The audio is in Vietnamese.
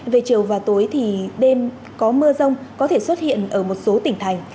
về chiều và tối thì đêm có mưa rông có thể xuất hiện ở một số tỉnh thành